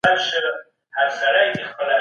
په قرآن کې د مؤمنانو لپاره استقامت ستایل شوی دی.